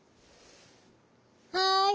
「はい。